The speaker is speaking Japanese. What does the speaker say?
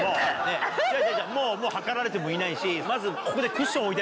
もう測られてもいないしまずここで。